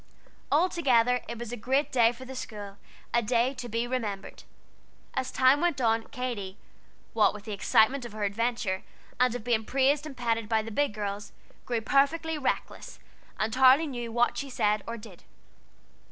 Altogether it was a great day for the school, a day to be remembered. As time went on, Katy, what with the excitement of her adventure, and of being praised and petted by the big girls, grew perfectly reckless, and hardly knew what she said or did.